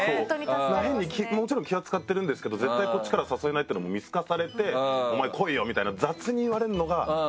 だから変にもちろん気は使ってるんですけど絶対こっちから誘えないっていうのも見透かされて「お前来いよ」みたいな。